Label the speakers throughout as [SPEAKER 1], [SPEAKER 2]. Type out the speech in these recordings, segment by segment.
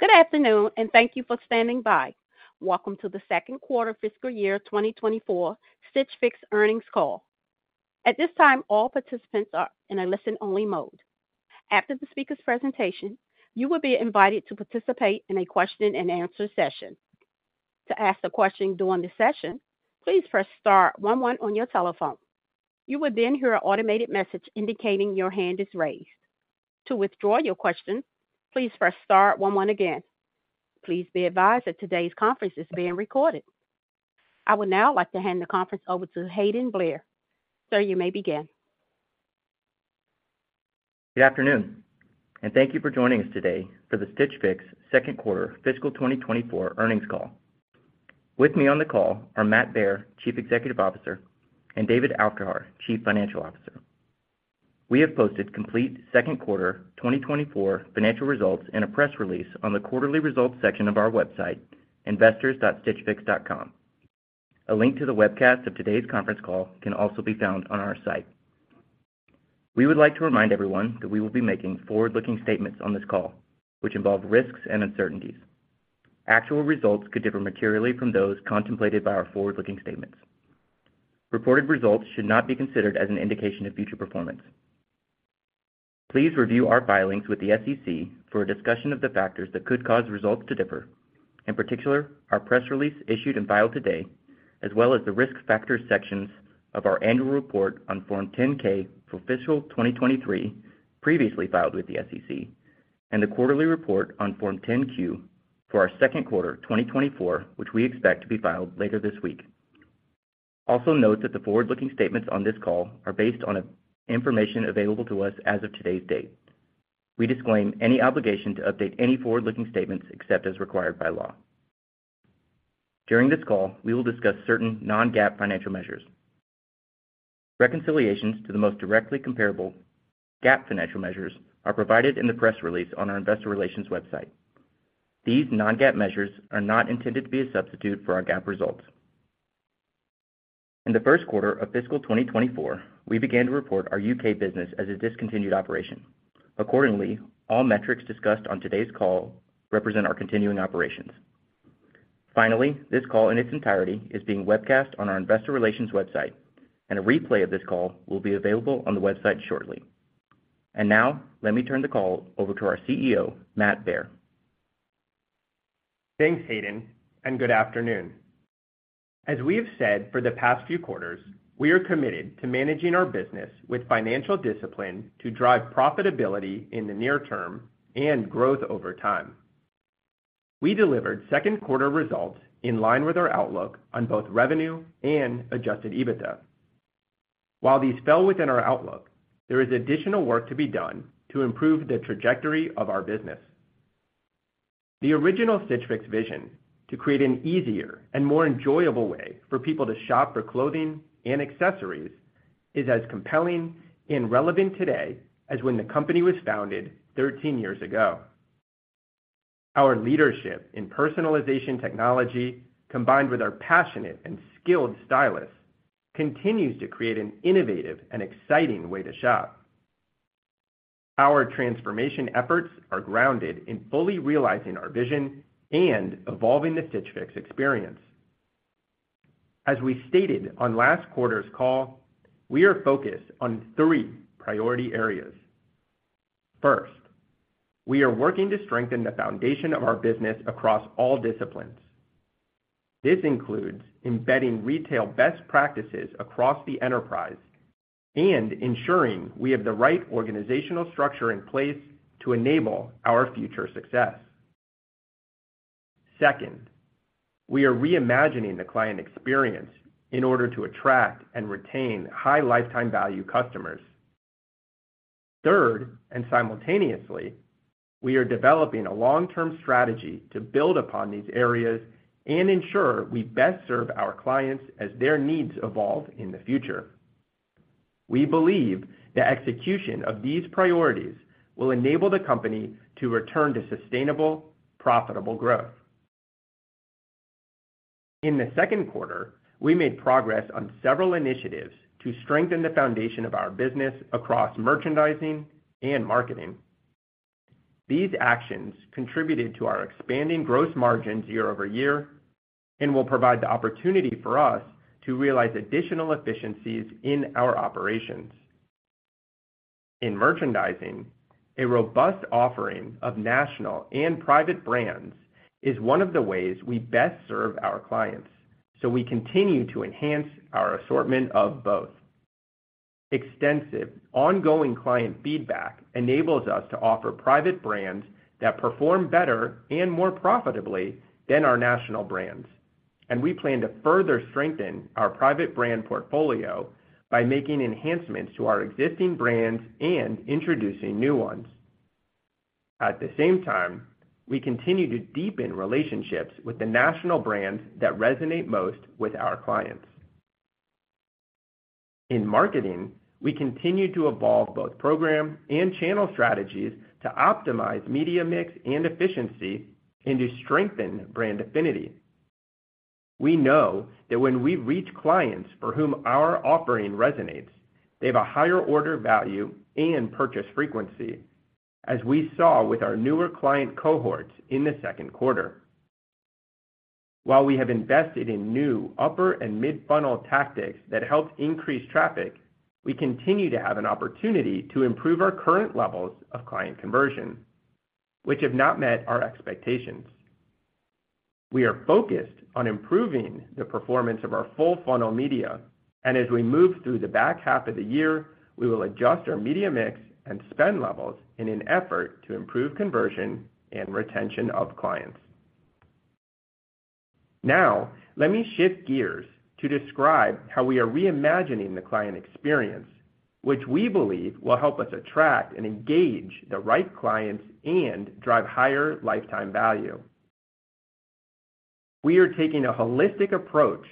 [SPEAKER 1] Good afternoon and thank you for standing by. Welcome to the second quarter fiscal year 2024 Stitch Fix earnings call. At this time, all participants are in a listen-only mode. After the speaker's presentation, you will be invited to participate in a question-and-answer session. To ask a question during the session, please press star one one on your telephone. You will then hear an automated message indicating your hand is raised. To withdraw your question, please press star one one again. Please be advised that today's conference is being recorded. I would now like to hand the conference over to Hayden Blair. Sir, you may begin.
[SPEAKER 2] Good afternoon, and thank you for joining us today for the Stitch Fix second quarter fiscal 2024 earnings call. With me on the call are Matt Baer, Chief Executive Officer, and David Aufderhaar, Chief Financial Officer. We have posted complete second quarter 2024 financial results in a press release on the quarterly results section of our website, investors.stitchfix.com. A link to the webcast of today's conference call can also be found on our site. We would like to remind everyone that we will be making forward-looking statements on this call, which involve risks and uncertainties. Actual results could differ materially from those contemplated by our forward-looking statements. Reported results should not be considered as an indication of future performance. Please review our filings with the SEC for a discussion of the factors that could cause results to differ, in particular our press release issued and filed today, as well as the risk factors sections of our annual report on Form 10-K for fiscal 2023 previously filed with the SEC, and the quarterly report on Form 10-Q for our second quarter 2024, which we expect to be filed later this week. Also note that the forward-looking statements on this call are based on information available to us as of today's date. We disclaim any obligation to update any forward-looking statements except as required by law. During this call, we will discuss certain non-GAAP financial measures. Reconciliations to the most directly comparable GAAP financial measures are provided in the press release on our investor relations website. These non-GAAP measures are not intended to be a substitute for our GAAP results. In the first quarter of fiscal 2024, we began to report our U.K. business as a discontinued operation. Accordingly, all metrics discussed on today's call represent our continuing operations. Finally, this call in its entirety is being webcast on our investor relations website, and a replay of this call will be available on the website shortly. And now, let me turn the call over to our CEO, Matt Baer.
[SPEAKER 3] Thanks, Hayden, and good afternoon. As we have said for the past few quarters, we are committed to managing our business with financial discipline to drive profitability in the near term and growth over time. We delivered second quarter results in line with our outlook on both revenue and Adjusted EBITDA. While these fell within our outlook, there is additional work to be done to improve the trajectory of our business. The original Stitch Fix vision to create an easier and more enjoyable way for people to shop for clothing and accessories is as compelling and relevant today as when the company was founded 13 years ago. Our leadership in personalization technology, combined with our passionate and skilled stylists, continues to create an innovative and exciting way to shop. Our transformation efforts are grounded in fully realizing our vision and evolving the Stitch Fix experience. As we stated on last quarter's call, we are focused on three priority areas. First, we are working to strengthen the foundation of our business across all disciplines. This includes embedding retail best practices across the enterprise and ensuring we have the right organizational structure in place to enable our future success. Second, we are reimagining the client experience in order to attract and retain high lifetime value customers. Third, and simultaneously, we are developing a long-term strategy to build upon these areas and ensure we best serve our clients as their needs evolve in the future. We believe the execution of these priorities will enable the company to return to sustainable, profitable growth. In the second quarter, we made progress on several initiatives to strengthen the foundation of our business across merchandising and marketing. These actions contributed to our expanding gross margins year-over-year and will provide the opportunity for us to realize additional efficiencies in our operations. In merchandising, a robust offering of national and private brands is one of the ways we best serve our clients, so we continue to enhance our assortment of both. Extensive, ongoing client feedback enables us to offer private brands that perform better and more profitably than our national brands, and we plan to further strengthen our private brand portfolio by making enhancements to our existing brands and introducing new ones. At the same time, we continue to deepen relationships with the national brands that resonate most with our clients. In marketing, we continue to evolve both program and channel strategies to optimize media mix and efficiency and to strengthen brand affinity. We know that when we reach clients for whom our offering resonates, they have a higher order value and purchase frequency, as we saw with our newer client cohorts in the second quarter. While we have invested in new upper and mid-funnel tactics that helped increase traffic, we continue to have an opportunity to improve our current levels of client conversion, which have not met our expectations. We are focused on improving the performance of our full funnel media, and as we move through the back half of the year, we will adjust our media mix and spend levels in an effort to improve conversion and retention of clients. Now, let me shift gears to describe how we are reimagining the client experience, which we believe will help us attract and engage the right clients and drive higher lifetime value. We are taking a holistic approach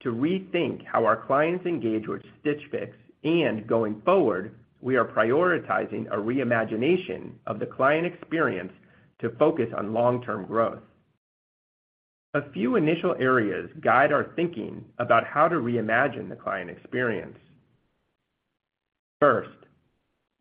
[SPEAKER 3] to rethink how our clients engage with Stitch Fix, and going forward, we are prioritizing a reimagination of the client experience to focus on long-term growth. A few initial areas guide our thinking about how to reimagine the client experience. First,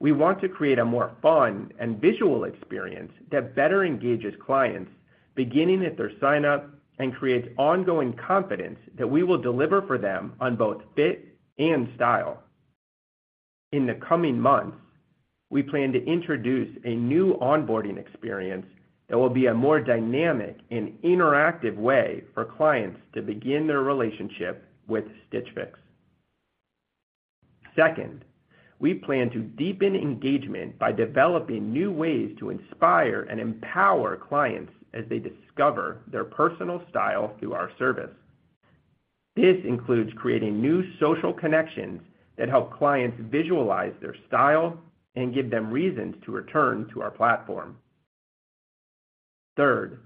[SPEAKER 3] we want to create a more fun and visual experience that better engages clients, beginning at their sign-up, and creates ongoing confidence that we will deliver for them on both fit and style. In the coming months, we plan to introduce a new onboarding experience that will be a more dynamic and interactive way for clients to begin their relationship with Stitch Fix. Second, we plan to deepen engagement by developing new ways to inspire and empower clients as they discover their personal style through our service. This includes creating new social connections that help clients visualize their style and give them reasons to return to our platform. Third,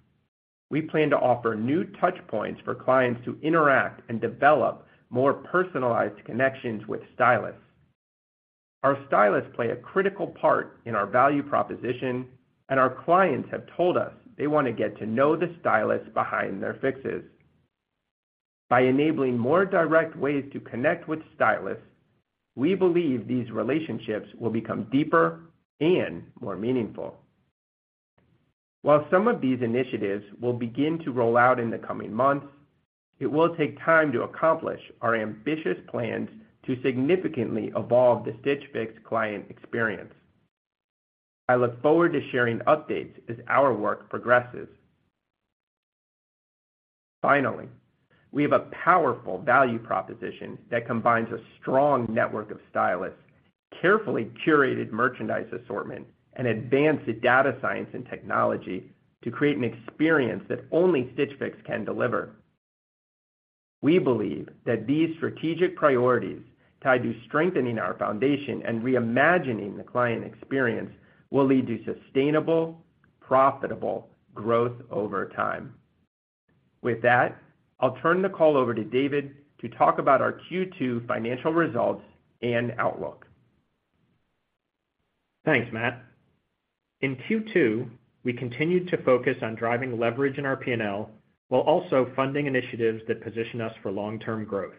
[SPEAKER 3] we plan to offer new touchpoints for clients to interact and develop more personalized connections with stylists. Our stylists play a critical part in our value proposition, and our clients have told us they want to get to know the stylists behind their Fixes. By enabling more direct ways to connect with stylists, we believe these relationships will become deeper and more meaningful. While some of these initiatives will begin to roll out in the coming months, it will take time to accomplish our ambitious plans to significantly evolve the Stitch Fix client experience. I look forward to sharing updates as our work progresses. Finally, we have a powerful value proposition that combines a strong network of stylists, carefully curated merchandise assortment, and advanced data science and technology to create an experience that only Stitch Fix can deliver. We believe that these strategic priorities tied to strengthening our foundation and reimagining the client experience will lead to sustainable, profitable growth over time. With that, I'll turn the call over to David to talk about our Q2 financial results and outlook.
[SPEAKER 4] Thanks, Matt. In Q2, we continued to focus on driving leverage in our P&L while also funding initiatives that position us for long-term growth.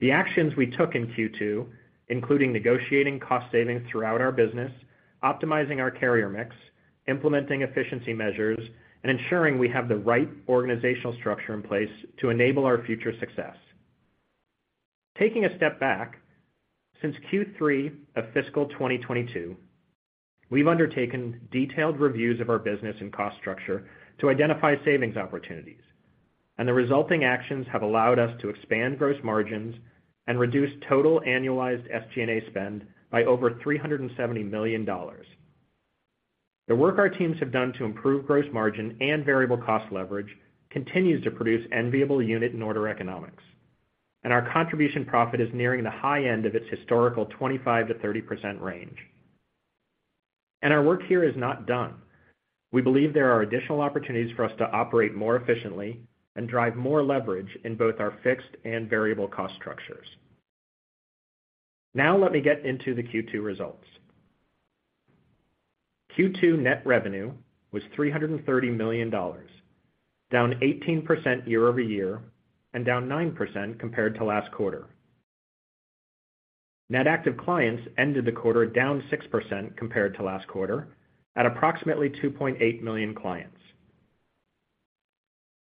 [SPEAKER 4] The actions we took in Q2, including negotiating cost savings throughout our business, optimizing our carrier mix, implementing efficiency measures, and ensuring we have the right organizational structure in place to enable our future success. Taking a step back, since Q3 of fiscal 2022, we've undertaken detailed reviews of our business and cost structure to identify savings opportunities, and the resulting actions have allowed us to expand gross margins and reduce total annualized SG&A spend by over $370 million. The work our teams have done to improve gross margin and variable cost leverage continues to produce enviable unit and order economics, and our contribution profit is nearing the high end of its historical 25%-30% range. Our work here is not done. We believe there are additional opportunities for us to operate more efficiently and drive more leverage in both our fixed and variable cost structures. Now, let me get into the Q2 results. Q2 net revenue was $330 million, down 18% year-over-year and down 9% compared to last quarter. Net active clients ended the quarter down 6% compared to last quarter at approximately 2.8 million clients.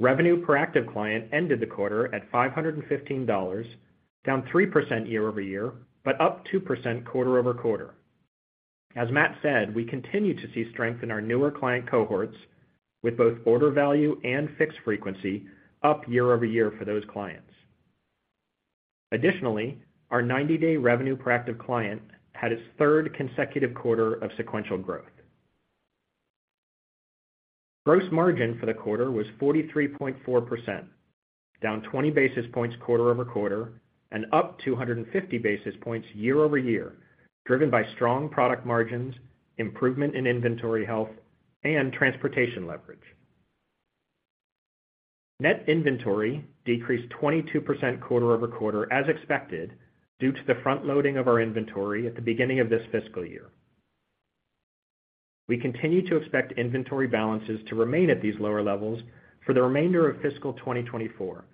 [SPEAKER 4] Revenue per active client ended the quarter at $515, down 3% year-over-year but up 2% quarter-over-quarter. As Matt said, we continue to see strength in our newer client cohorts with both order value and Fix frequency up year-over-year for those clients. Additionally, our 90-day revenue per active client had its third consecutive quarter of sequential growth. Gross margin for the quarter was 43.4%, down 20 basis points quarter-over-quarter and up 250 basis points year-over-year, driven by strong product margins, improvement in inventory health, and transportation leverage. Net inventory decreased 22% quarter-over-quarter as expected due to the front-loading of our inventory at the beginning of this fiscal year. We continue to expect inventory balances to remain at these lower levels for the remainder of fiscal 2024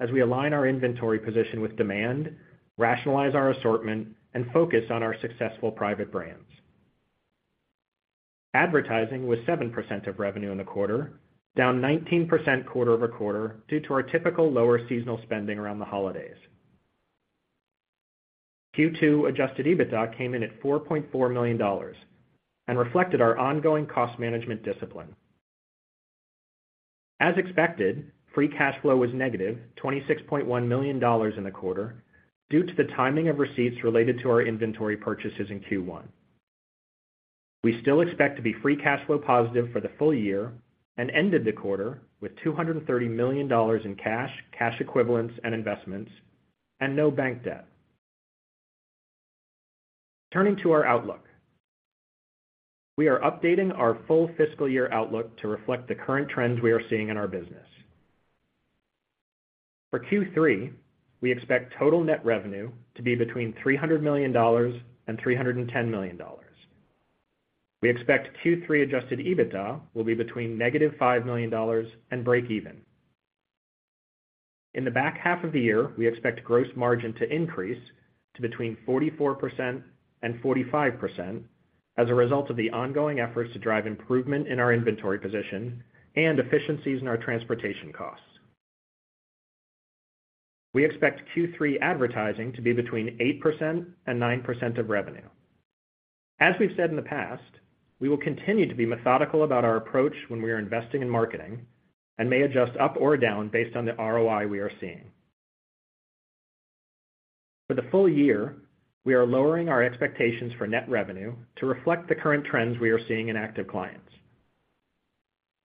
[SPEAKER 4] as we align our inventory position with demand, rationalize our assortment, and focus on our successful private brands. Advertising was 7% of revenue in the quarter, down 19% quarter-over-quarter due to our typical lower seasonal spending around the holidays. Q2 Adjusted EBITDA came in at $4.4 million and reflected our ongoing cost management discipline. As expected, Free Cash Flow was negative $26.1 million in the quarter due to the timing of receipts related to our inventory purchases in Q1. We still expect to be Free Cash Flow positive for the full year and ended the quarter with $230 million in cash, cash equivalents, and investments, and no bank debt. Turning to our outlook. We are updating our full fiscal year outlook to reflect the current trends we are seeing in our business. For Q3, we expect total net revenue to be between $300 million and $310 million. We expect Q3 Adjusted EBITDA will be between negative $5 million and break even. In the back half of the year, we expect Gross Margin to increase to between 44% and 45% as a result of the ongoing efforts to drive improvement in our inventory position and efficiencies in our transportation costs. We expect Q3 advertising to be between 8%-9% of revenue. As we've said in the past, we will continue to be methodical about our approach when we are investing in marketing and may adjust up or down based on the ROI we are seeing. For the full year, we are lowering our expectations for net revenue to reflect the current trends we are seeing in active clients.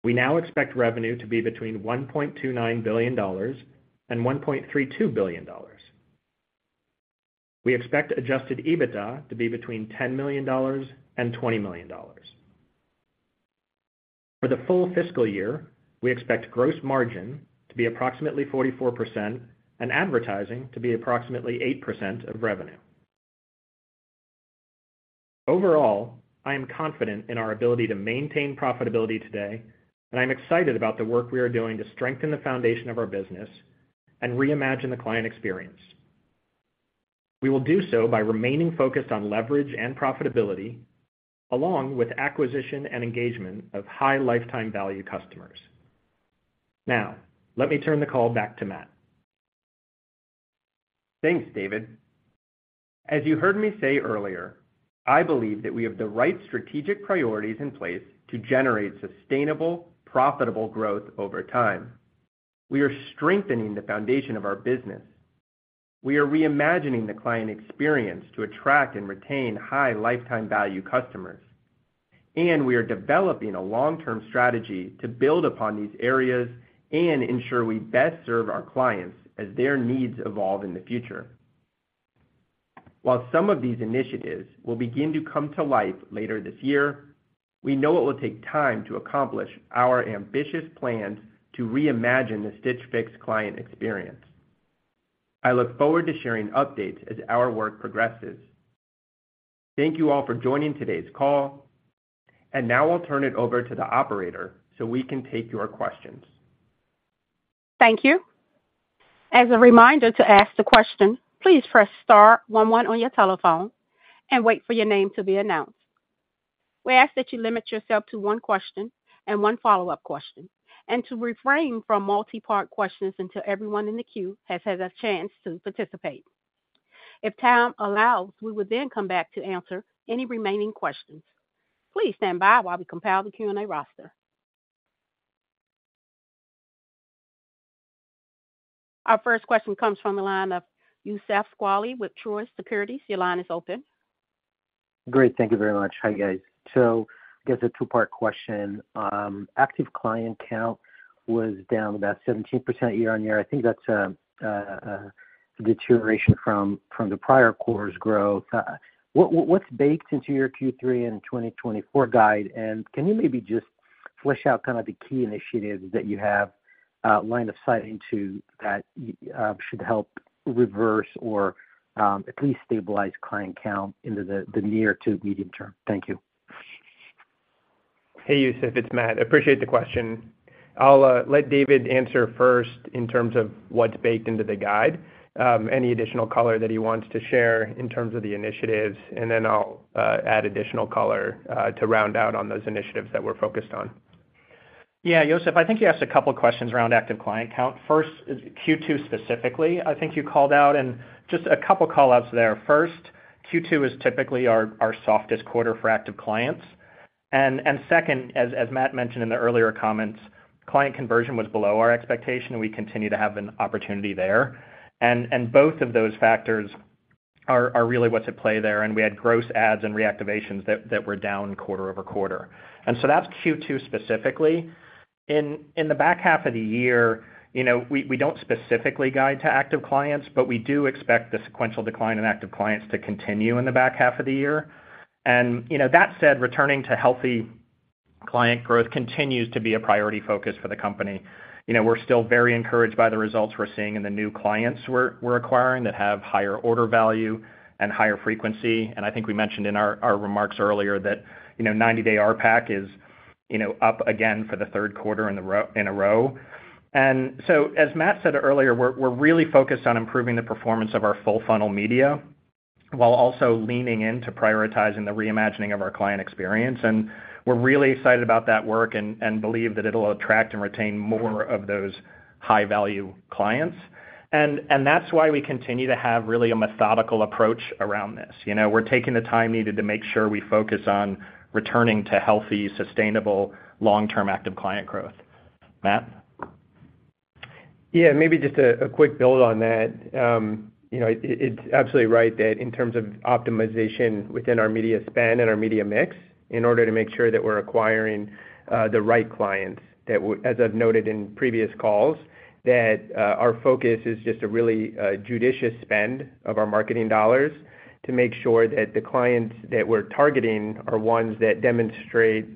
[SPEAKER 4] We now expect revenue to be between $1.29 billion-$1.32 billion. We expect Adjusted EBITDA to be between $10 million-$20 million. For the full fiscal year, we expect gross margin to be approximately 44% and advertising to be approximately 8% of revenue. Overall, I am confident in our ability to maintain profitability today, and I'm excited about the work we are doing to strengthen the foundation of our business and reimagine the client experience. We will do so by remaining focused on leverage and profitability along with acquisition and engagement of high lifetime value customers. Now, let me turn the call back to Matt.
[SPEAKER 3] Thanks, David. As you heard me say earlier, I believe that we have the right strategic priorities in place to generate sustainable, profitable growth over time. We are strengthening the foundation of our business. We are reimagining the client experience to attract and retain high lifetime value customers, and we are developing a long-term strategy to build upon these areas and ensure we best serve our clients as their needs evolve in the future. While some of these initiatives will begin to come to life later this year, we know it will take time to accomplish our ambitious plans to reimagine the Stitch Fix client experience. I look forward to sharing updates as our work progresses. Thank you all for joining today's call, and now I'll turn it over to the operator so we can take your questions.
[SPEAKER 1] Thank you. As a reminder to ask the question, please press star one one on your telephone and wait for your name to be announced. We ask that you limit yourself to one question and one follow-up question and to refrain from multi-part questions until everyone in the queue has had a chance to participate. If time allows, we will then come back to answer any remaining questions. Please stand by while we compile the Q&A roster. Our first question comes from the line of Youssef Squali with Truist Securities. Your line is open.
[SPEAKER 5] Great. Thank you very much. Hi, guys. So I guess a two-part question. Active client count was down about 17% year-over-year. I think that's a deterioration from the prior quarter's growth. What's baked into your Q3 and 2024 guide, and can you maybe just flesh out kind of the key initiatives that you have line of sight into that should help reverse or at least stabilize client count into the near to medium term? Thank you.
[SPEAKER 3] Hey, Youssef. It's Matt. Appreciate the question. I'll let David answer first in terms of what's baked into the guide, any additional color that he wants to share in terms of the initiatives, and then I'll add additional color to round out on those initiatives that we're focused on.
[SPEAKER 4] Yeah, Youssef. I think you asked a couple of questions around active client count. First, Q2 specifically, I think you called out, and just a couple of callouts there. First, Q2 is typically our softest quarter for active clients. And second, as Matt mentioned in the earlier comments, client conversion was below our expectation, and we continue to have an opportunity there. And both of those factors are really what's at play there, and we had gross adds and reactivations that were down quarter-over-quarter. And so that's Q2 specifically. In the back half of the year, we don't specifically guide to active clients, but we do expect the sequential decline in active clients to continue in the back half of the year. And that said, returning to healthy client growth continues to be a priority focus for the company. We're still very encouraged by the results we're seeing in the new clients we're acquiring that have higher order value and higher frequency. I think we mentioned in our remarks earlier that 90-day RPAC is up again for the third quarter in a row. So as Matt said earlier, we're really focused on improving the performance of our full funnel media while also leaning into prioritizing the reimagining of our client experience. We're really excited about that work and believe that it'll attract and retain more of those high-value clients. That's why we continue to have really a methodical approach around this. We're taking the time needed to make sure we focus on returning to healthy, sustainable, long-term active client growth. Matt?
[SPEAKER 3] Yeah. Maybe just a quick build on that. It's absolutely right that in terms of optimization within our media spend and our media mix, in order to make sure that we're acquiring the right clients, as I've noted in previous calls, that our focus is just a really judicious spend of our marketing dollars to make sure that the clients that we're targeting are ones that demonstrate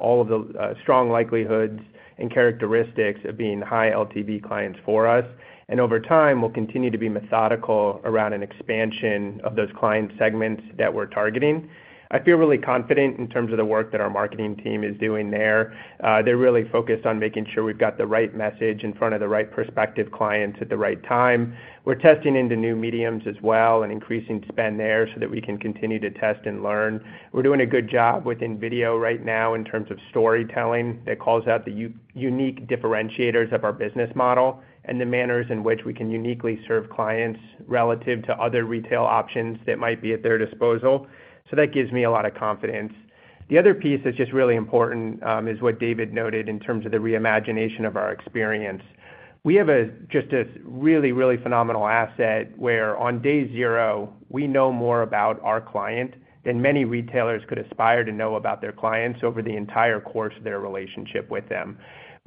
[SPEAKER 3] all of the strong likelihoods and characteristics of being high LTV clients for us. And over time, we'll continue to be methodical around an expansion of those client segments that we're targeting. I feel really confident in terms of the work that our marketing team is doing there. They're really focused on making sure we've got the right message in front of the right prospective clients at the right time. We're testing into new mediums as well and increasing spend there so that we can continue to test and learn. We're doing a good job within video right now in terms of storytelling that calls out the unique differentiators of our business model and the manners in which we can uniquely serve clients relative to other retail options that might be at their disposal. So that gives me a lot of confidence. The other piece that's just really important is what David noted in terms of the reimagination of our experience. We have just a really, really phenomenal asset where on day zero, we know more about our client than many retailers could aspire to know about their clients over the entire course of their relationship with them.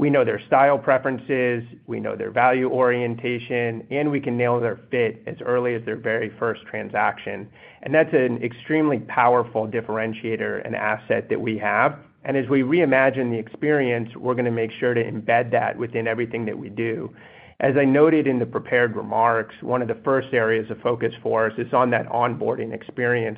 [SPEAKER 3] We know their style preferences. We know their value orientation, and we can nail their fit as early as their very first transaction. And that's an extremely powerful differentiator and asset that we have. And as we reimagine the experience, we're going to make sure to embed that within everything that we do. As I noted in the prepared remarks, one of the first areas of focus for us is on that onboarding experience.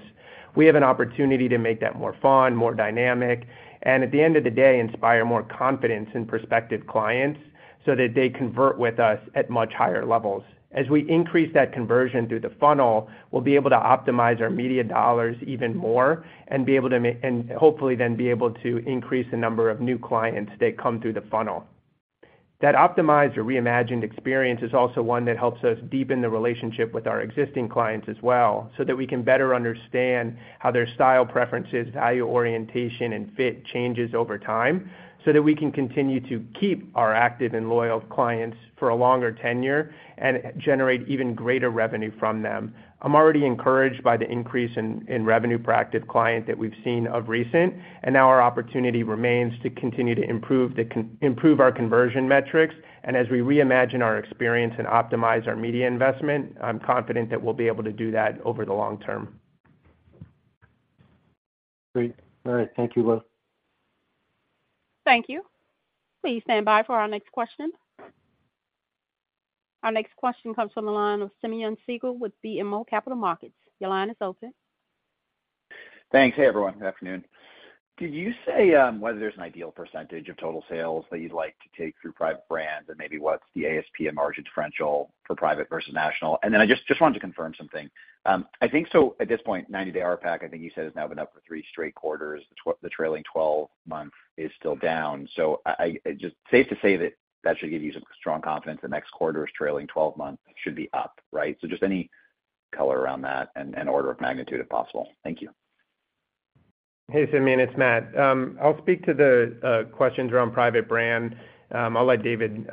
[SPEAKER 3] We have an opportunity to make that more fun, more dynamic, and at the end of the day, inspire more confidence in prospective clients so that they convert with us at much higher levels. As we increase that conversion through the funnel, we'll be able to optimize our media dollars even more and be able to and hopefully then be able to increase the number of new clients that come through the funnel. That optimized or reimagined experience is also one that helps us deepen the relationship with our existing clients as well so that we can better understand how their style preferences, value orientation, and fit changes over time so that we can continue to keep our active and loyal clients for a longer tenure and generate even greater revenue from them. I'm already encouraged by the increase in revenue per active client that we've seen of recent, and now our opportunity remains to continue to improve our conversion metrics. As we reimagine our experience and optimize our media investment, I'm confident that we'll be able to do that over the long term.
[SPEAKER 5] Great. All right. Thank you, Matt.
[SPEAKER 1] Thank you. Please stand by for our next question. Our next question comes from the line of Simeon Siegel with BMO Capital Markets. Your line is open.
[SPEAKER 6] Thanks. Hey, everyone. Good afternoon. Did you say whether there's an ideal percentage of total sales that you'd like to take through private brands and maybe what's the ASP and margin differential for private versus national? And then I just wanted to confirm something. I think so at this point, 90-day RPAC, I think you said has now been up for three straight quarters. The trailing 12-month is still down. So just safe to say that that should give you some strong confidence the next quarter's trailing 12-month should be up, right? So just any color around that and order of magnitude if possible. Thank you.
[SPEAKER 3] Hey, Simeon. It's Matt. I'll speak to the questions around private brand. I'll let David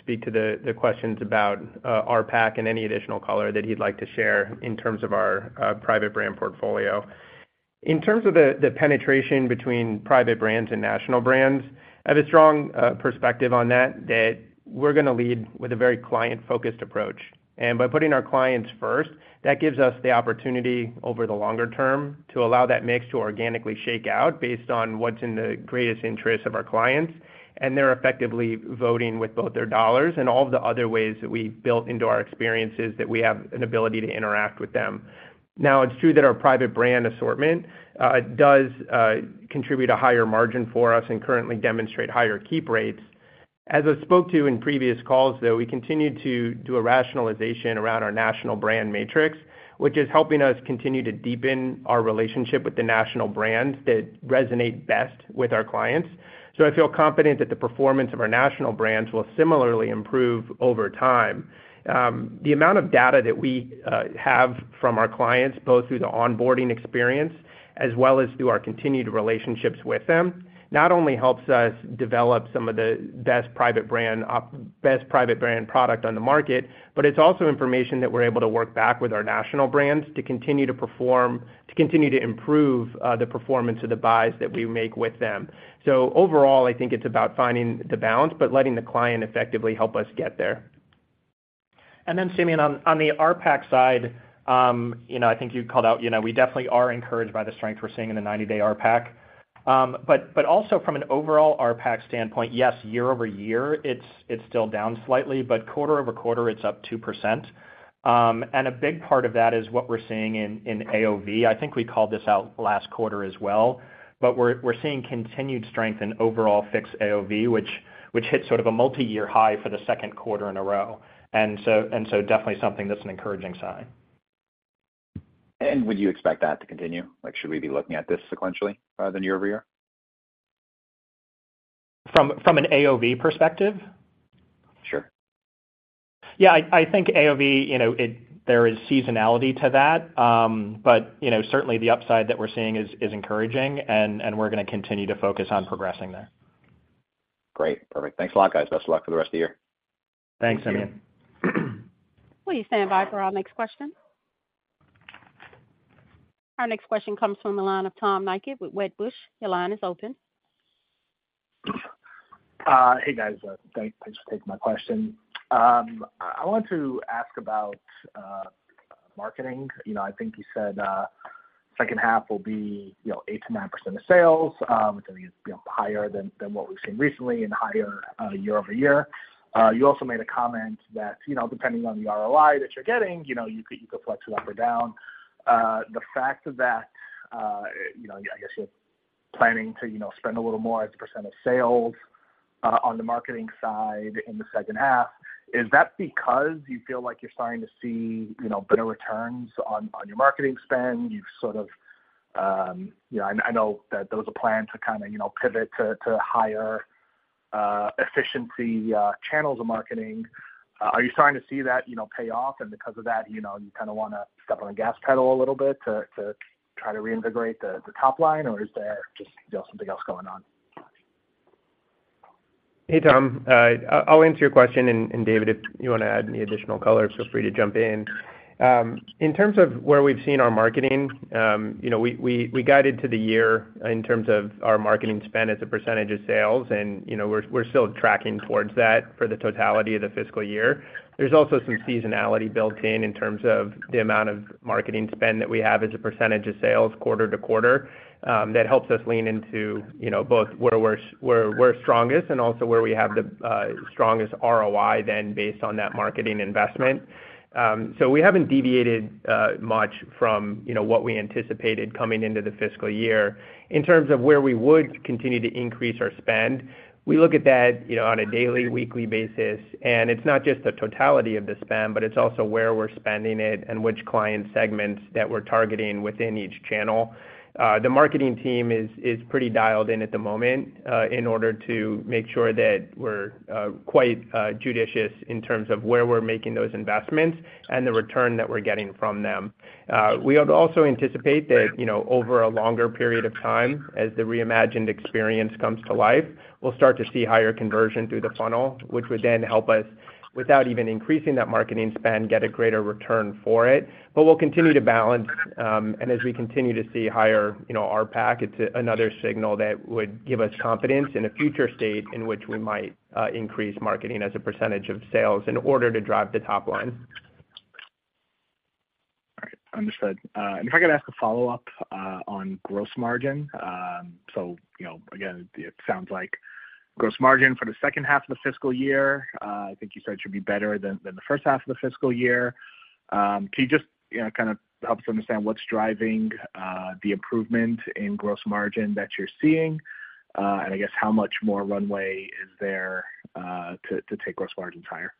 [SPEAKER 3] speak to the questions about RPAC and any additional color that he'd like to share in terms of our private brand portfolio. In terms of the penetration between private brands and national brands, I have a strong perspective on that, that we're going to lead with a very client-focused approach. And by putting our clients first, that gives us the opportunity over the longer term to allow that mix to organically shake out based on what's in the greatest interest of our clients, and they're effectively voting with both their dollars and all of the other ways that we've built into our experiences that we have an ability to interact with them. Now, it's true that our private brand assortment does contribute a higher margin for us and currently demonstrate higher keep rates. As I spoke to in previous calls, though, we continue to do a rationalization around our national brand matrix, which is helping us continue to deepen our relationship with the national brands that resonate best with our clients. So I feel confident that the performance of our national brands will similarly improve over time. The amount of data that we have from our clients, both through the onboarding experience as well as through our continued relationships with them, not only helps us develop some of the best private brand product on the market, but it's also information that we're able to work back with our national brands to continue to perform, to continue to improve the performance of the buys that we make with them. So overall, I think it's about finding the balance but letting the client effectively help us get there.
[SPEAKER 4] Then, Simeon, on the RPAC side, I think you called out we definitely are encouraged by the strength we're seeing in the 90-day RPAC. But also from an overall RPAC standpoint, yes, year-over-year, it's still down slightly, but quarter-over-quarter, it's up 2%. And a big part of that is what we're seeing in AOV. I think we called this out last quarter as well, but we're seeing continued strength in overall Fix AOV, which hit sort of a multi-year high for the second quarter in a row. And so definitely something that's an encouraging sign.
[SPEAKER 6] Would you expect that to continue? Should we be looking at this sequentially rather than year-over-year?
[SPEAKER 4] From an AOV perspective?
[SPEAKER 6] Sure.
[SPEAKER 4] Yeah. I think AOV, there is seasonality to that, but certainly, the upside that we're seeing is encouraging, and we're going to continue to focus on progressing there.
[SPEAKER 6] Great. Perfect. Thanks a lot, guys. Best of luck for the rest of the year.
[SPEAKER 4] Thanks, Simeon.
[SPEAKER 1] Will you stand by for our next question? Our next question comes from the line of Tom Nikic with Wedbush. Your line is open.
[SPEAKER 7] Hey, guys. Thanks for taking my question. I wanted to ask about marketing. I think you said second half will be 8%-9% of sales, which I think is higher than what we've seen recently and higher year-over-year. You also made a comment that depending on the ROI that you're getting, you could flex it up or down. The fact that I guess you're planning to spend a little more as a % of sales on the marketing side in the second half, is that because you feel like you're starting to see better returns on your marketing spend? You've sort of I know that there was a plan to kind of pivot to higher efficiency channels of marketing. Are you starting to see that pay off, and because of that, you kind of want to step on the gas pedal a little bit to try to reintegrate the top line, or is there just something else going on?
[SPEAKER 3] Hey, Tom. I'll answer your question, and David, if you want to add any additional color, feel free to jump in. In terms of where we've seen our marketing, we guided to the year in terms of our marketing spend as a percentage of sales, and we're still tracking towards that for the totality of the fiscal year. There's also some seasonality built in in terms of the amount of marketing spend that we have as a percentage of sales quarter to quarter. That helps us lean into both where we're strongest and also where we have the strongest ROI then based on that marketing investment. So we haven't deviated much from what we anticipated coming into the fiscal year. In terms of where we would continue to increase our spend, we look at that on a daily, weekly basis, and it's not just the totality of the spend, but it's also where we're spending it and which client segments that we're targeting within each channel. The marketing team is pretty dialed in at the moment in order to make sure that we're quite judicious in terms of where we're making those investments and the return that we're getting from them. We would also anticipate that over a longer period of time, as the reimagined experience comes to life, we'll start to see higher conversion through the funnel, which would then help us, without even increasing that marketing spend, get a greater return for it. We'll continue to balance, and as we continue to see higher RPAC, it's another signal that would give us confidence in a future state in which we might increase marketing as a percentage of sales in order to drive the top line.
[SPEAKER 7] All right. Understood. And if I could ask a follow-up on Gross Margin. So again, it sounds like Gross Margin for the second half of the fiscal year, I think you said, should be better than the first half of the fiscal year. Can you just kind of help us understand what's driving the improvement in Gross Margin that you're seeing, and I guess how much more runway is there to take Gross Margins higher?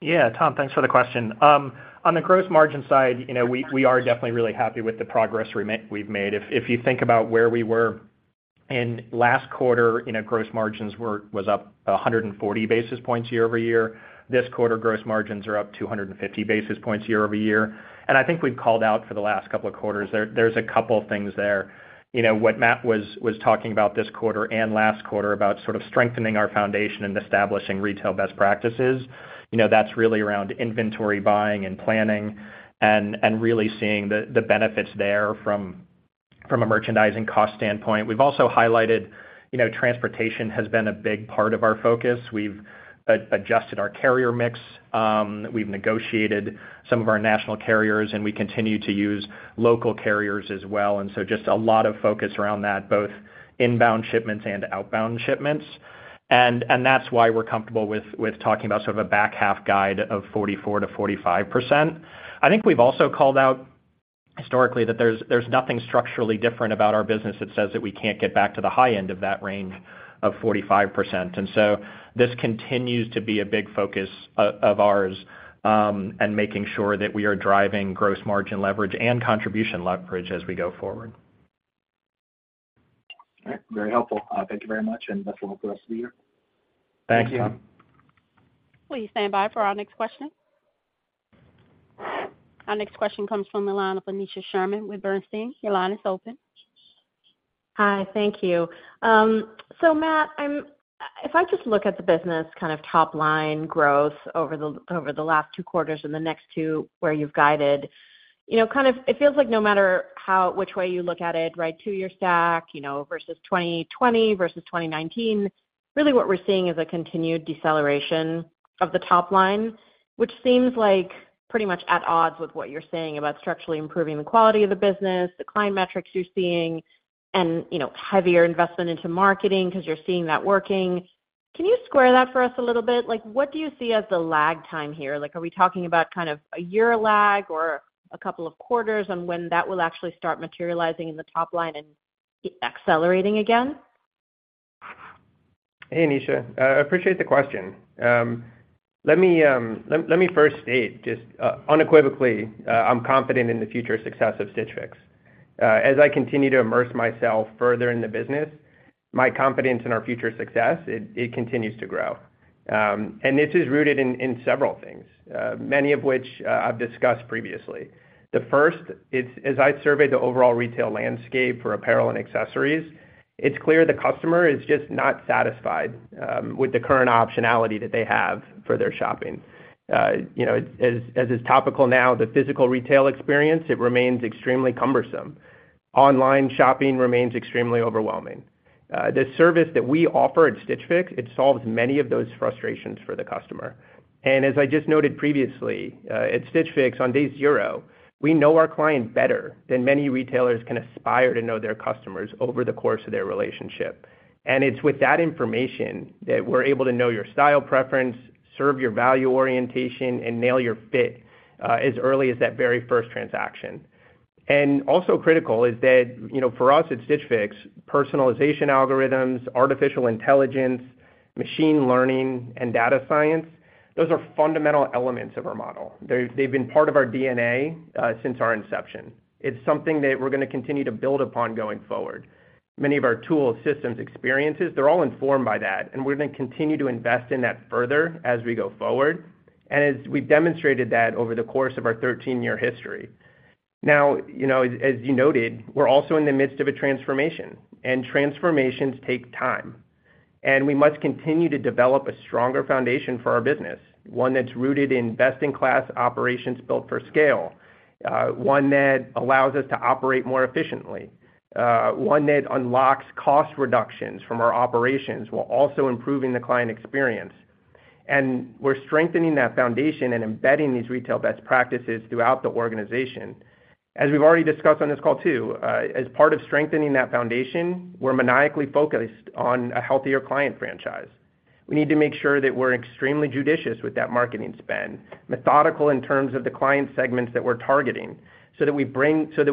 [SPEAKER 4] Yeah, Tom. Thanks for the question. On the gross margin side, we are definitely really happy with the progress we've made. If you think about where we were in last quarter, gross margins was up 140 basis points year-over-year. This quarter, gross margins are up 250 basis points year-over-year. And I think we've called out for the last couple of quarters. There's a couple of things there. What Matt was talking about this quarter and last quarter about sort of strengthening our foundation and establishing retail best practices, that's really around inventory buying and planning and really seeing the benefits there from a merchandising cost standpoint. We've also highlighted transportation has been a big part of our focus. We've adjusted our carrier mix. We've negotiated some of our national carriers, and we continue to use local carriers as well. And so just a lot of focus around that, both inbound shipments and outbound shipments. That's why we're comfortable with talking about sort of a back half guide of 44%-45%. I think we've also called out historically that there's nothing structurally different about our business that says that we can't get back to the high end of that range of 45%. So this continues to be a big focus of ours and making sure that we are driving gross margin leverage and contribution leverage as we go forward.
[SPEAKER 7] All right. Very helpful. Thank you very much, and best of luck for the rest of the year.
[SPEAKER 4] Thanks, Tom.
[SPEAKER 1] Will you stand by for our next question? Our next question comes from the line of Aneesha Sherman with Bernstein. Your line is open.
[SPEAKER 8] Hi. Thank you. So Matt, if I just look at the business kind of top line growth over the last two quarters and the next two where you've guided, kind of it feels like no matter which way you look at it, right, two-year stack versus 2020 versus 2019, really what we're seeing is a continued deceleration of the top line, which seems like pretty much at odds with what you're saying about structurally improving the quality of the business, the client metrics you're seeing, and heavier investment into marketing because you're seeing that working. Can you square that for us a little bit? What do you see as the lag time here? Are we talking about kind of a year lag or a couple of quarters on when that will actually start materializing in the top line and accelerating again?
[SPEAKER 3] Hey, Aneesha. I appreciate the question. Let me first state just unequivocally, I'm confident in the future success of Stitch Fix. As I continue to immerse myself further in the business, my confidence in our future success, it continues to grow. This is rooted in several things, many of which I've discussed previously. The first, as I surveyed the overall retail landscape for apparel and accessories, it's clear the customer is just not satisfied with the current optionality that they have for their shopping. As is topical now, the physical retail experience, it remains extremely cumbersome. Online shopping remains extremely overwhelming. The service that we offer at Stitch Fix, it solves many of those frustrations for the customer. As I just noted previously, at Stitch Fix, on day zero, we know our client better than many retailers can aspire to know their customers over the course of their relationship. It's with that information that we're able to know your style preference, serve your value orientation, and nail your fit as early as that very first transaction. Also critical is that for us at Stitch Fix, personalization algorithms, artificial intelligence, machine learning, and data science, those are fundamental elements of our model. They've been part of our DNA since our inception. It's something that we're going to continue to build upon going forward. Many of our tools, systems, experiences, they're all informed by that, and we're going to continue to invest in that further as we go forward. We've demonstrated that over the course of our 13-year history. Now, as you noted, we're also in the midst of a transformation, and transformations take time. And we must continue to develop a stronger foundation for our business, one that's rooted in best-in-class operations built for scale, one that allows us to operate more efficiently, one that unlocks cost reductions from our operations while also improving the client experience. And we're strengthening that foundation and embedding these retail best practices throughout the organization. As we've already discussed on this call too, as part of strengthening that foundation, we're maniacally focused on a healthier client franchise. We need to make sure that we're extremely judicious with that marketing spend, methodical in terms of the client segments that we're targeting so that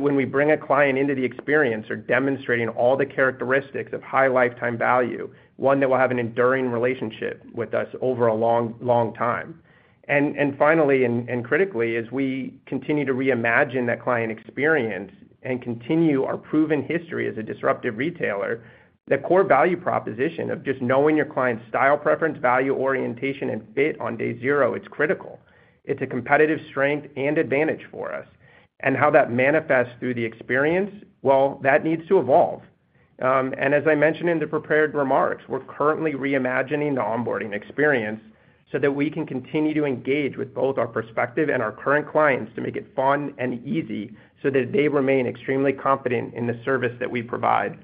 [SPEAKER 3] when we bring a client into the experience, we're demonstrating all the characteristics of high lifetime value, one that will have an enduring relationship with us over a long time. And finally, and critically, as we continue to reimagine that client experience and continue our proven history as a disruptive retailer, the core value proposition of just knowing your client's style preference, value orientation, and fit on day zero, it's critical. It's a competitive strength and advantage for us. And how that manifests through the experience, well, that needs to evolve. And as I mentioned in the prepared remarks, we're currently reimagining the onboarding experience so that we can continue to engage with both our prospective and our current clients to make it fun and easy so that they remain extremely confident in the service that we provide.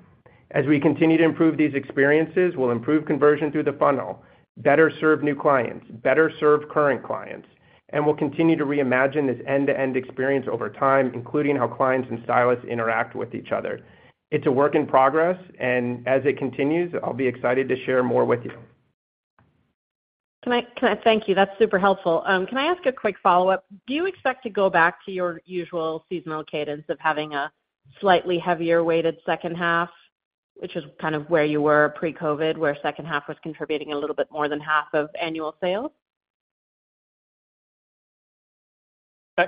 [SPEAKER 3] As we continue to improve these experiences, we'll improve conversion through the funnel, better serve new clients, better serve current clients, and we'll continue to reimagine this end-to-end experience over time, including how clients and stylists interact with each other. It's a work in progress, and as it continues, I'll be excited to share more with you.
[SPEAKER 8] Can I thank you? That's super helpful. Can I ask a quick follow-up? Do you expect to go back to your usual seasonal cadence of having a slightly heavier-weighted second half, which is kind of where you were pre-COVID, where second half was contributing a little bit more than half of annual sales?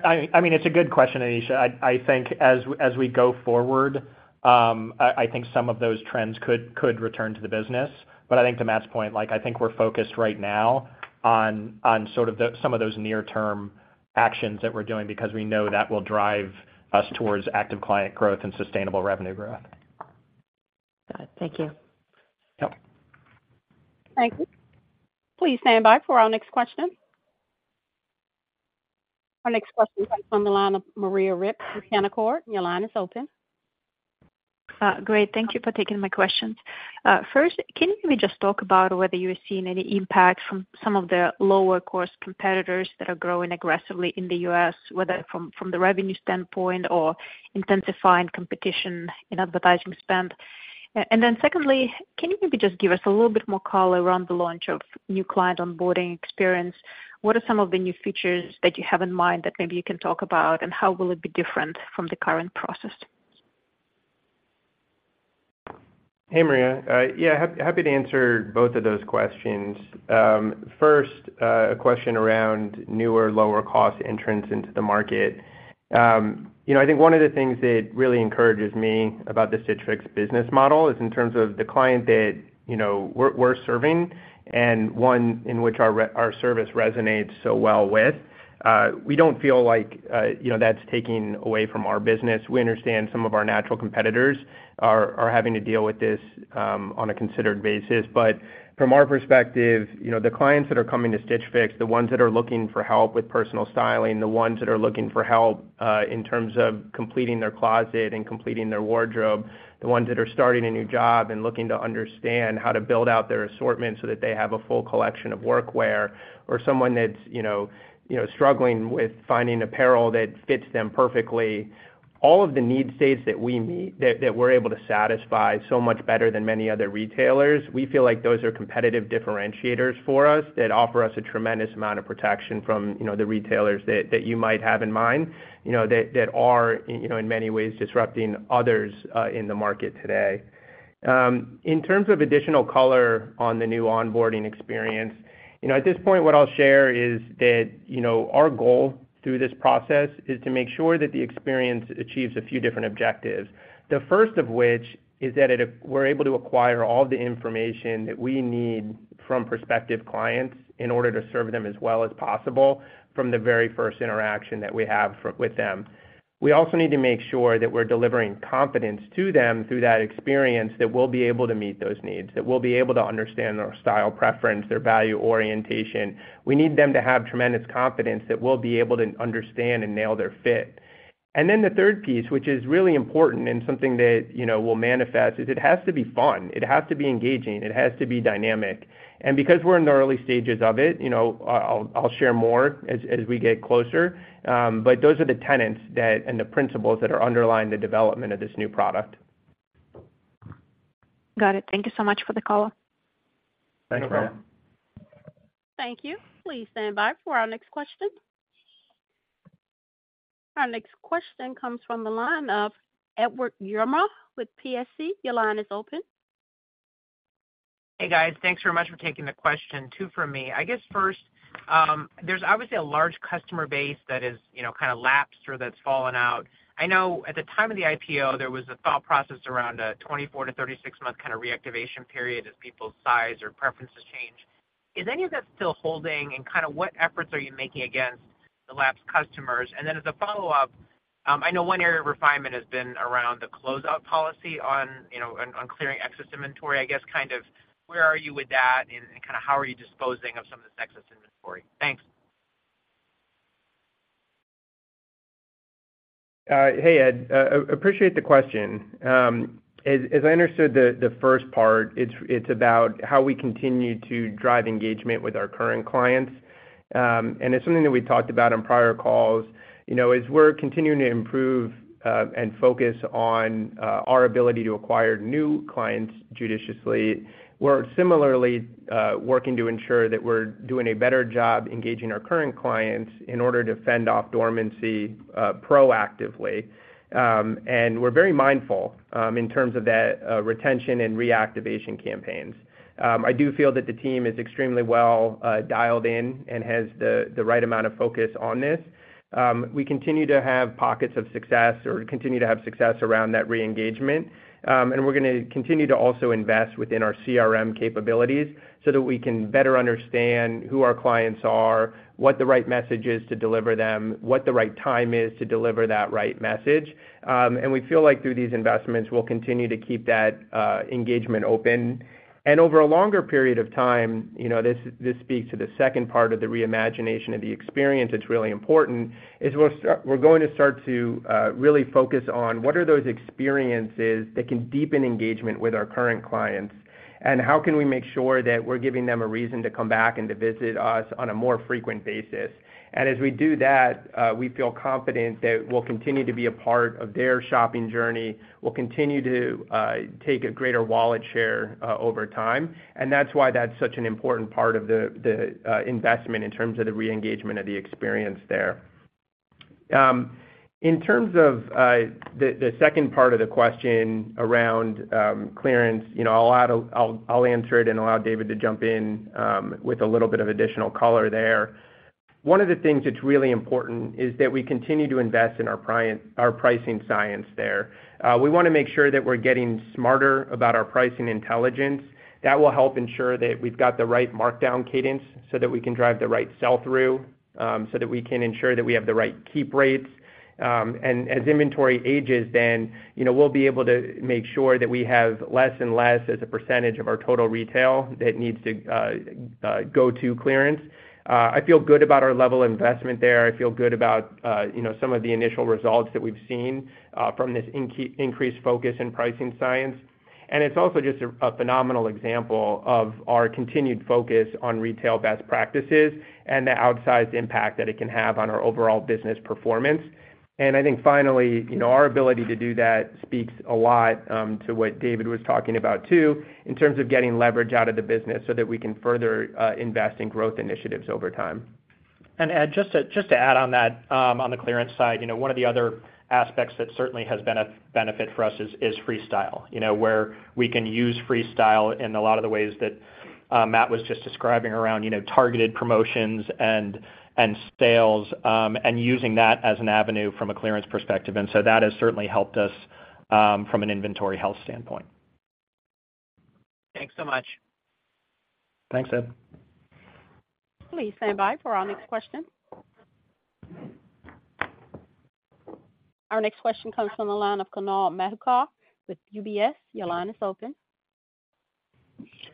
[SPEAKER 4] I mean, it's a good question, Aneesha. I think as we go forward, I think some of those trends could return to the business. But I think to Matt's point, I think we're focused right now on sort of some of those near-term actions that we're doing because we know that will drive us towards active client growth and sustainable revenue growth.
[SPEAKER 8] Got it. Thank you.
[SPEAKER 4] Yep.
[SPEAKER 1] Thank you. Will you stand by for our next question? Our next question comes from the line of Maria Ripps from Canaccord Genuity. Your line is open.
[SPEAKER 9] Great. Thank you for taking my questions. First, can you maybe just talk about whether you're seeing any impact from some of the lower-cost competitors that are growing aggressively in the U.S., whether from the revenue standpoint or intensifying competition in advertising spend? And then secondly, can you maybe just give us a little bit more color around the launch of new client onboarding experience? What are some of the new features that you have in mind that maybe you can talk about, and how will it be different from the current process?
[SPEAKER 3] Hey, Maria. Yeah, happy to answer both of those questions. First, a question around newer lower-cost entrants into the market. I think one of the things that really encourages me about the Stitch Fix business model is in terms of the client that we're serving and one in which our service resonates so well with. We don't feel like that's taking away from our business. We understand some of our natural competitors are having to deal with this on a considered basis. But from our perspective, the clients that are coming to Stitch Fix, the ones that are looking for help with personal styling, the ones that are looking for help in terms of completing their closet and completing their wardrobe, the ones that are starting a new job and looking to understand how to build out their assortment so that they have a full collection of workwear, or someone that's struggling with finding apparel that fits them perfectly, all of the need states that we meet that we're able to satisfy so much better than many other retailers, we feel like those are competitive differentiators for us that offer us a tremendous amount of protection from the retailers that you might have in mind that are, in many ways, disrupting others in the market today. In terms of additional color on the new onboarding experience, at this point, what I'll share is that our goal through this process is to make sure that the experience achieves a few different objectives, the first of which is that we're able to acquire all of the information that we need from prospective clients in order to serve them as well as possible from the very first interaction that we have with them. We also need to make sure that we're delivering confidence to them through that experience that we'll be able to meet those needs, that we'll be able to understand their style preference, their value orientation. We need them to have tremendous confidence that we'll be able to understand and nail their fit. And then the third piece, which is really important and something that will manifest, is it has to be fun. It has to be engaging. It has to be dynamic. Because we're in the early stages of it, I'll share more as we get closer. Those are the tenets and the principles that are underlying the development of this new product.
[SPEAKER 9] Got it. Thank you so much for the call.
[SPEAKER 3] Thanks, Maria.
[SPEAKER 1] Thank you. Will you stand by for our next question? Our next question comes from the line of Edward Yruma with PSC. Your line is open.
[SPEAKER 10] Hey, guys. Thanks very much for taking the question too from me. I guess first, there's obviously a large customer base that has kind of lapsed or that's fallen out. I know at the time of the IPO, there was a thought process around a 24-36-month kind of reactivation period as people's size or preferences change. Is any of that still holding, and kind of what efforts are you making against the lapsed customers? And then as a follow-up, I know one area of refinement has been around the closeout policy on clearing excess inventory, I guess. Kind of where are you with that, and kind of how are you disposing of some of this excess inventory? Thanks.
[SPEAKER 3] Hey, Ed. Appreciate the question. As I understood the first part, it's about how we continue to drive engagement with our current clients. And it's something that we talked about on prior calls. As we're continuing to improve and focus on our ability to acquire new clients judiciously, we're similarly working to ensure that we're doing a better job engaging our current clients in order to fend off dormancy proactively. And we're very mindful in terms of that retention and reactivation campaigns. I do feel that the team is extremely well dialed in and has the right amount of focus on this. We continue to have pockets of success or continue to have success around that reengagement. We're going to continue to also invest within our CRM capabilities so that we can better understand who our clients are, what the right message is to deliver them, what the right time is to deliver that right message. We feel like through these investments, we'll continue to keep that engagement open. Over a longer period of time, this speaks to the second part of the reimagination of the experience that's really important, is we're going to start to really focus on what are those experiences that can deepen engagement with our current clients, and how can we make sure that we're giving them a reason to come back and to visit us on a more frequent basis. As we do that, we feel confident that we'll continue to be a part of their shopping journey, we'll continue to take a greater wallet share over time. That's why that's such an important part of the investment in terms of the reengagement of the experience there. In terms of the second part of the question around clearance, I'll answer it and allow David to jump in with a little bit of additional color there. One of the things that's really important is that we continue to invest in our pricing science there. We want to make sure that we're getting smarter about our pricing intelligence. That will help ensure that we've got the right markdown cadence so that we can drive the right sell-through, so that we can ensure that we have the right keep rates. And as inventory ages, then we'll be able to make sure that we have less and less as a percentage of our total retail that needs to go to clearance. I feel good about our level of investment there. I feel good about some of the initial results that we've seen from this increased focus in pricing science. It's also just a phenomenal example of our continued focus on retail best practices and the outsized impact that it can have on our overall business performance. I think finally, our ability to do that speaks a lot to what David was talking about too in terms of getting leverage out of the business so that we can further invest in growth initiatives over time.
[SPEAKER 4] Ed, just to add on that on the clearance side, one of the other aspects that certainly has been a benefit for us is Freestyle, where we can use Freestyle in a lot of the ways that Matt was just describing around targeted promotions and sales and using that as an avenue from a clearance perspective. And so that has certainly helped us from an inventory health standpoint.
[SPEAKER 1] Thanks so much.
[SPEAKER 3] Thanks, Ed.
[SPEAKER 1] Will you stand by for our next question? Our next question comes from the line of Kunal Madhukar with UBS. Your line is open.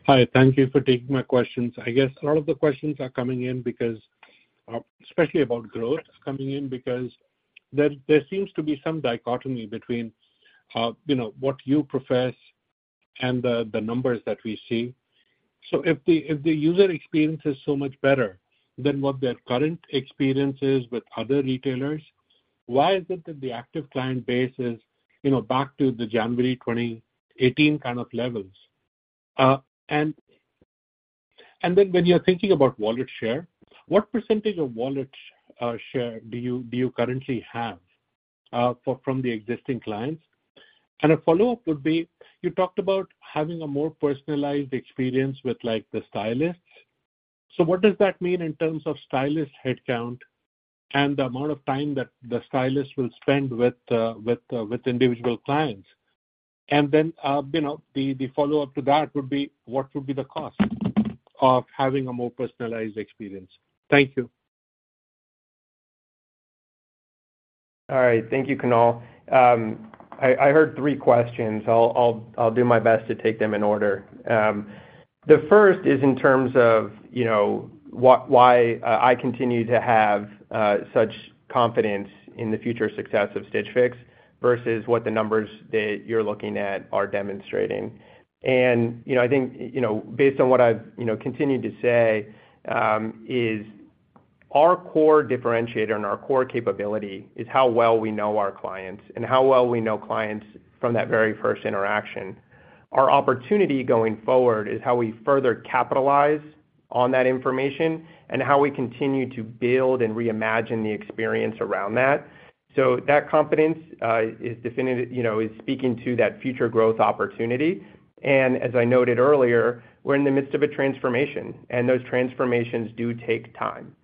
[SPEAKER 11] Hi. Thank you for taking my questions. I guess a lot of the questions are coming in because especially about growth, coming in because there seems to be some dichotomy between what you profess and the numbers that we see. So if the user experience is so much better than what their current experience is with other retailers, why is it that the active client base is back to the January 2018 kind of levels? And then when you're thinking about wallet share, what percentage of wallet share do you currently have from the existing clients? And a follow-up would be, you talked about having a more personalized experience with the stylists. So what does that mean in terms of stylist headcount and the amount of time that the stylist will spend with individual clients? Then the follow-up to that would be, what would be the cost of having a more personalized experience? Thank you.
[SPEAKER 3] All right. Thank you, Kunal. I heard three questions. I'll do my best to take them in order. The first is in terms of why I continue to have such confidence in the future success of Stitch Fix versus what the numbers that you're looking at are demonstrating. And I think based on what I've continued to say is our core differentiator and our core capability is how well we know our clients and how well we know clients from that very first interaction. Our opportunity going forward is how we further capitalize on that information and how we continue to build and reimagine the experience around that. So that confidence is speaking to that future growth opportunity. And as I noted earlier, we're in the midst of a transformation, and those transformations do take time.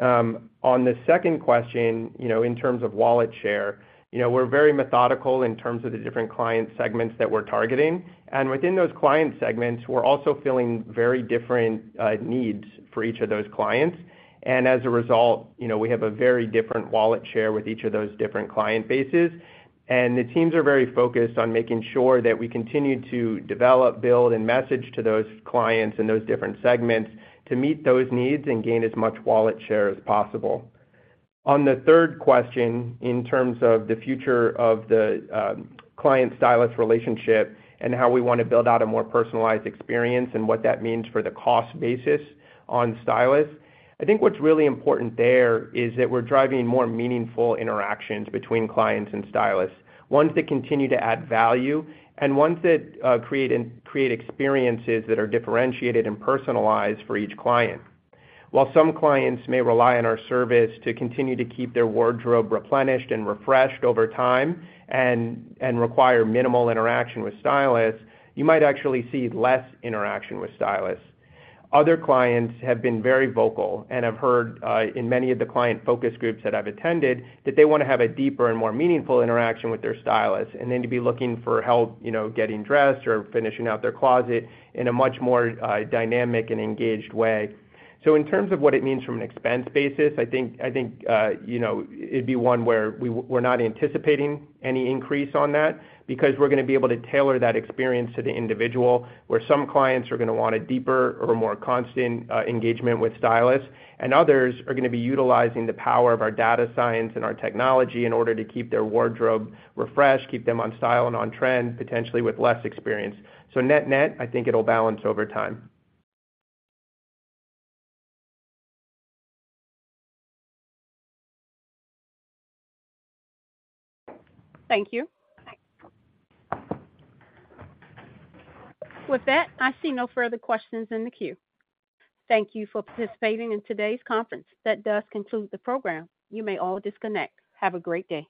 [SPEAKER 3] On the second question, in terms of wallet share, we're very methodical in terms of the different client segments that we're targeting. Within those client segments, we're also filling very different needs for each of those clients. As a result, we have a very different wallet share with each of those different client bases. The teams are very focused on making sure that we continue to develop, build, and message to those clients and those different segments to meet those needs and gain as much wallet share as possible. On the third question, in terms of the future of the client-stylist relationship and how we want to build out a more personalized experience and what that means for the cost basis on stylists, I think what's really important there is that we're driving more meaningful interactions between clients and stylists, ones that continue to add value and ones that create experiences that are differentiated and personalized for each client. While some clients may rely on our service to continue to keep their wardrobe replenished and refreshed over time and require minimal interaction with stylists, you might actually see less interaction with stylists. Other clients have been very vocal and have heard in many of the client focus groups that I've attended that they want to have a deeper and more meaningful interaction with their stylists and then to be looking for help getting dressed or finishing out their closet in a much more dynamic and engaged way. So in terms of what it means from an expense basis, I think it'd be one where we're not anticipating any increase on that because we're going to be able to tailor that experience to the individual, where some clients are going to want a deeper or more constant engagement with stylists, and others are going to be utilizing the power of our data science and our technology in order to keep their wardrobe refreshed, keep them on style and on trend, potentially with less experience. So net-net, I think it'll balance over time.
[SPEAKER 1] Thank you. With that, I see no further questions in the queue. Thank you for participating in today's conference. That does conclude the program. You may all disconnect. Have a great day.